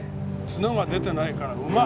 角が出てないから「うま」！